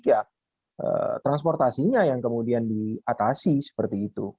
ya transportasinya yang kemudian diatasi seperti itu